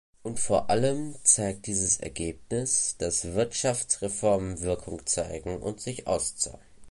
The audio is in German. Und vor allem zeigt dieses Ergebnis, dass Wirtschaftsreformen Wirkung zeigen und sich auszahlen.